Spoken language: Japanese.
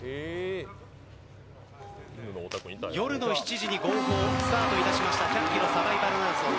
夜の７時に号砲スタートしました１００キロサバイバルマラソン。